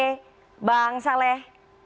selamat sore bang saleh